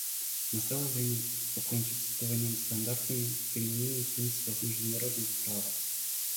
Настало время покончить с двойными стандартами в применении принципов международного права.